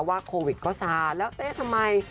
โควิดก็ซาแล้วเต้ทำไม